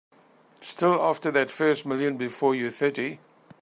Still after that first million before you're thirty.